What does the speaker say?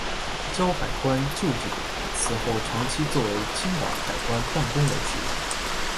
胶海关旧址此后长期作为青岛海关办公楼使用。